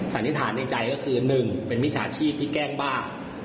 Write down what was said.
สันนิษฐานในใจก็คือ๑เป็นมิจฉาชีพที่แกล้งบ้า